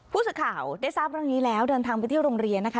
ผู้สื่อข่าวได้ทราบเรื่องนี้แล้วเดินทางไปที่โรงเรียนนะคะ